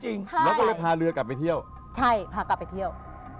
ค่ะแล้วก็เลยพาเรือกลับไปเที่ยวใช่พากลับไปเที่ยว